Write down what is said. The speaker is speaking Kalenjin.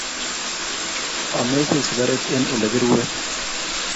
Amegul sigaret eng olegiruen